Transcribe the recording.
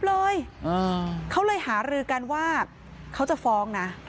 เขาเลยเขาเลยหารือกันว่าเขาจะฟ้องนะ